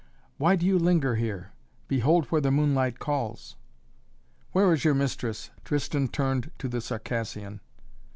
"Why do you linger here? Behold where the moonlight calls." "Where is your mistress?" Tristan turned to the Circassian.